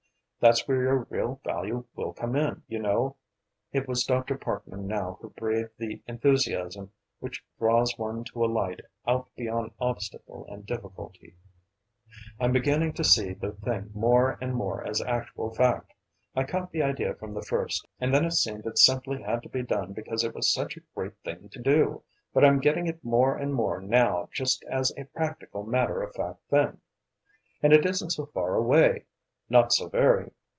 That's where your real value will come in. You know," it was Dr. Parkman now who breathed the enthusiasm which draws one to a light out beyond obstacle and difficulty "I'm beginning to see the thing more and more as actual fact. I caught the idea from the first, and then it seemed it simply had to be done because it was such a great thing to do, but I'm getting it more and more now just as a practical, matter of fact thing. And it isn't so far away, not so very.